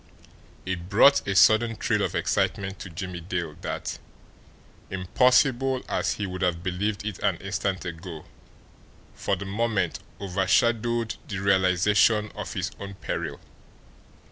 It brought a sudden thrill of excitement to Jimmie Dale that, impossible as he would have believed it an instant ago, for the moment overshadowed the realisation of his own peril.